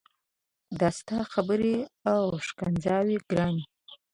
دا ستا خبري او ښكنځاوي ګراني!